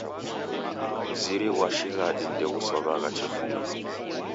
Mziri ghwa shighadi ndeghusow'agha chefunga.